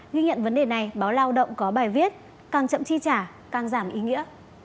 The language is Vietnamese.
ghi nhận vấn đề này báo lao động có bài viết càng chậm chi trả càng giảm ý nghĩa